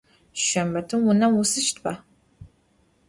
Şşembetım vunem vuisıştıba?